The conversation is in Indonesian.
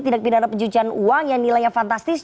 tindak pidana pencucian uang yang nilainya fantastis